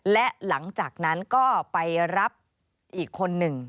และหลังจากนั้นก็ไปรับอีกคนหนึ่ง